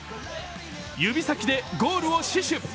指先でゴールを死守。